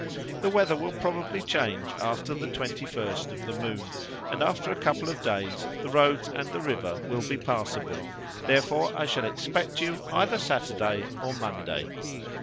The weather will probably change after the 21st of the moon, and after a couple of days the roads and the river will be passable, therefore I shall expect you either Saturday or Monday.